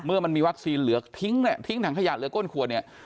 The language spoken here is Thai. เมื่อมันมีวัคซีนเหลือทิ้งแหละทิ้งถังขยะเหลือก้นขวดเนี้ย